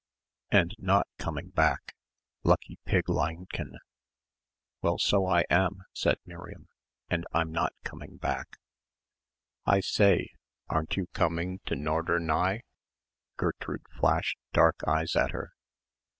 "And not coming back. Lucky Pigleinchen." "Well, so am I," said Miriam, "and I'm not coming back." "I say! Aren't you coming to Norderney?" Gertrude flashed dark eyes at her.